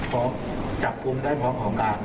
พอจับกลุ่มได้หมอบของการ